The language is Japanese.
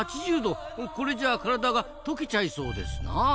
これじゃあ体が溶けちゃいそうですなあ。